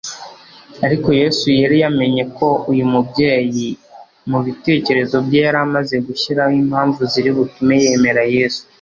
Ariko Yesu yari yamenye ko uyu mubyeyi, mubitekerezo bye, yari yamaze gushyiraho impamvu ziri butume yemera Yesu